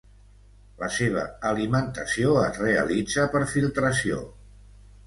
La seva alimentació es realitza per filtració.